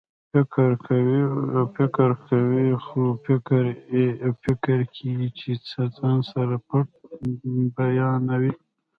فکر کوئ خو فکر کې چې څه ځان سره پټ بیانوي